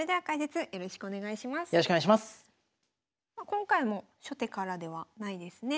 今回も初手からではないですね。